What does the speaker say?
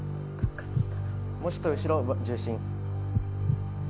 もうちょっと後ろ重心